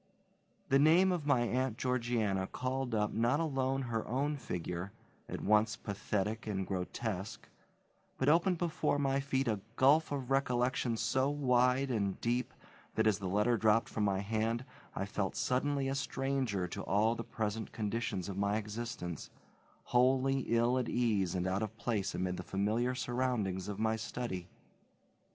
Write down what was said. The name of my Aunt Georgiana called up not alone her own figure, at once pathetic and grotesque, but opened before my feet a gulf of recollection so wide and deep that, as the letter dropped from my hand, I felt suddenly a stranger to all the present conditions of my existence, wholly ill at ease and out of place amid the familiar surroundings of my study.